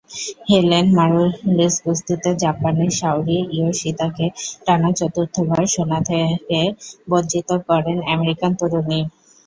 Helen মারুলিসকুস্তিতে জাপানের Saori ইয়োশিদাকে টানা চতুর্থ সোনা থেকে বঞ্চিত করেনআমেরিকান তরুণী।